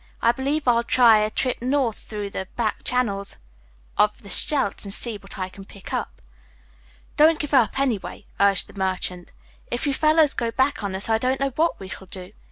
"I believe I'll try a trip north through the back channels of the Scheldt and see what I can pick up." "Don't give up, anyway," urged the merchant. "If you fellows go back on us, I don't know what we shall do.